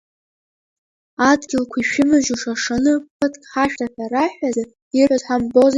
Адгьылқәа ишәымажьу ша-шаны ԥыҭк ҳашәҭа ҳәа раҳәазар ирҳәоз ҳамбози!